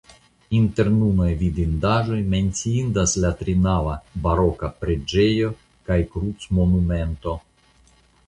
Inter nunaj vidindaĵoj menciindas la trinava baroka preĝejo kaj krucmonumento.